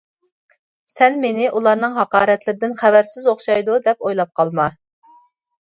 سەن مېنى ئۇلارنىڭ ھاقارەتلىرىدىن خەۋەرسىز ئوخشايدۇ دەپ ئويلاپ قالما.